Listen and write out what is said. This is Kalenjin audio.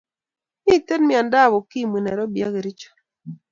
Miten miandab ukimwi nairobi ak kercho